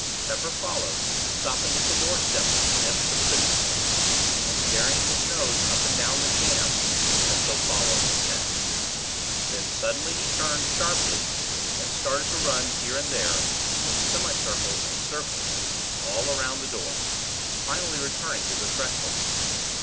Pepper followed, stopping at the doorstep to sniff, suspiciously; and carrying his nose up and down the jambs, as though following a scent. Then, suddenly, he turned, sharply, and started to run here and there, in semicircles and circles, all around the door; finally returning to the threshold.